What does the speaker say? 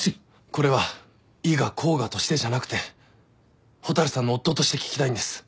これは伊賀甲賀としてじゃなくて蛍さんの夫として聞きたいんです。